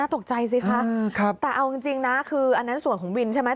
ตกใจสิคะแต่เอาจริงนะคืออันนั้นส่วนของวินใช่ไหม